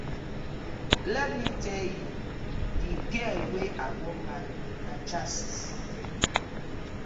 Lemme teeh yu, de girl wey I wan marry na chasis.